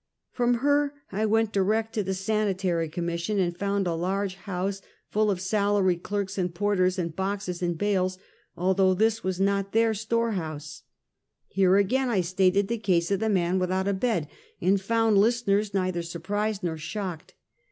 From her I went direct to the Sanitary Commission, and found a large house full of salaried clerks and por ters, and boxes, and bales, although this was not their storehouse. Here again I stated the case of the man without a bed, and found listeners neither surprised nor shocked.